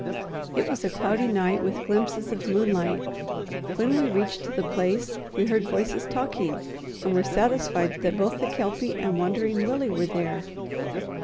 It was a cloudy night with glimpses of moonlight. When we reached the place, we heard voices talking, and were satisfied that both the Kelpie and Wandering Willie were there.